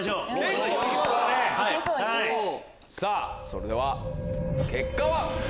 それでは結果は？